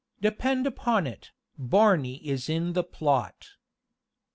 Depend upon it, Barney is in the plot."